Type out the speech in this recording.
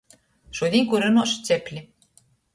Šudiņ kurynuošu cepli.